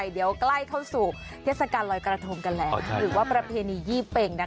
เดี๋ยวใกล้เข้าสู่เทศกาลลอยกระทงกันแล้วหรือว่าประเพณียี่เป็งนะคะ